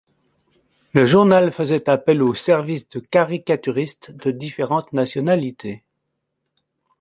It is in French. Le journal faisait appel aux services de caricaturistes de différentes nationalités.